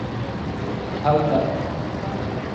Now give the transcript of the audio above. هلته